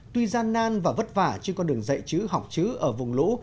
tuy gian nan và vất vả trên con đường dạy chữ học chữ ở vùng lũ